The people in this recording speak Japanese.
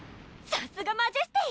さすがマジェスティ！